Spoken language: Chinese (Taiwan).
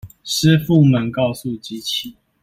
師傅們告訴機器